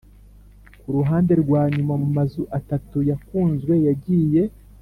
kuruhande-rwanyuma, mumazu atatu yakunzwe yagiye.